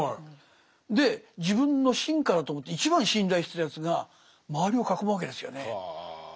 で自分の臣下だと思って一番信頼してたやつが周りを囲むわけですよね。は。